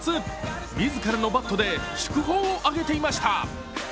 自らのバットで祝砲を上げていました。